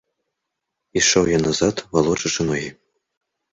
Ішоў я назад, валочачы ногі.